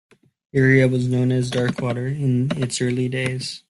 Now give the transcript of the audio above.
The area was known as Darkwater in its early days.